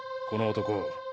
この男。